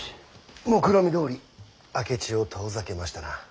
もくろみどおり明智を遠ざけましたな。